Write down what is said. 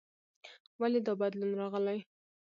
ولې دا بدلون راغلی؟